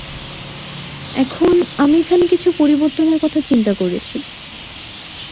এখন, আমি এখানে কিছু পরিবর্তনের কথা চিন্তা করেছি।